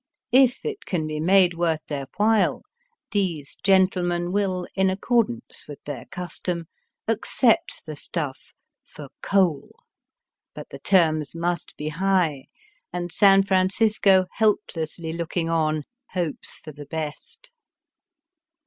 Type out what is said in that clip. If it can be made worth their while, these gentlemen will, in accordance with their custom, accept the stuff for coal ; but the terms must be high, and San Francisco, helplessly looking on, hopes for the best.